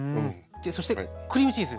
そしてクリームチーズ。